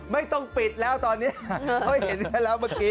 ไม่ต้องปิดแล้วตอนนี้ไม่เห็นหรือแล้ว